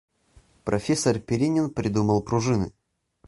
Профессор Перинин придумал пружины.